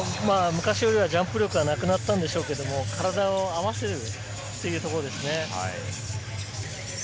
昔よりもジャンプ力はなくなったんでしょうが、体を合わせるというところですね。